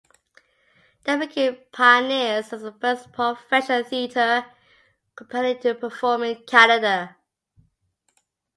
They became pioneers as the first professional theatre company to perform in Canada.